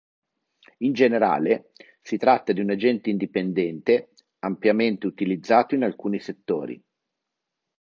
In generale, si tratta di un agente indipendente ampiamente utilizzato in alcuni settori.